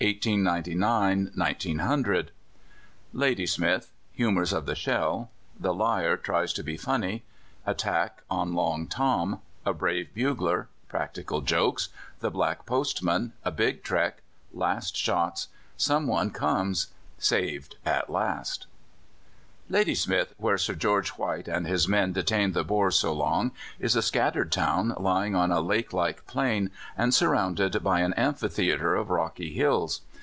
CHAPTER XXV THE SIEGE OF LADYSMITH (1899 1900) Ladysmith Humours of the shell The Lyre tries to be funny Attack on Long Tom A brave bugler Practical jokes The black postman A big trek Last shots Some one comes Saved at last. Ladysmith, where Sir George White and his men detained the Boers so long, is a scattered town lying on a lake like plain, and surrounded by an amphitheatre of rocky hills.